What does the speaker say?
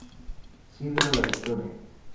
Sidra La Victoria.